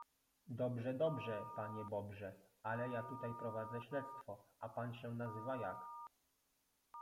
Dobrze dobrze, panie bobrze, ale ja tutaj prowadzę śledztwo, a pan się nazywa jak?